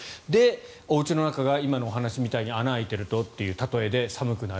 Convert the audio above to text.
おうちの中が今のお話みたいに穴が開いているとということで寒くなる。